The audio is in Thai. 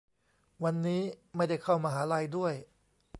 วันนี้ไม่ได้เข้ามหาลัยด้วย